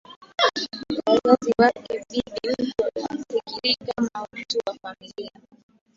wazazi wake Bibi mkwe hafikiriwi kama mtu wa familia